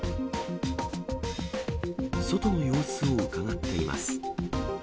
外の様子をうかがっています。